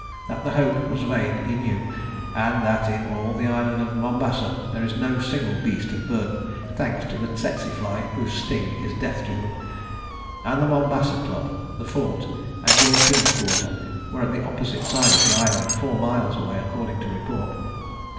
That the hope was vain he knew, and that in all the island of Mombasa there is no single beast of burden, thanks to the tsetse fly, whose sting is death to them. ... And the Mombasa Club, the Fort, and European quarter were at the opposite side of the island, four miles away, according to report.